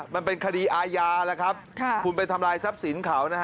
มันเป็นคดีอาญาแล้วครับคุณไปทำลายทรัพย์สินเขานะฮะ